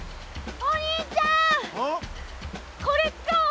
お兄ちゃんこれ使おう。